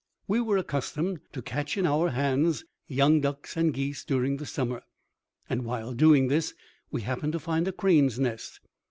We were accustomed to catch in our hands young ducks and geese during the summer, and while doing this we happened to find a crane's nest.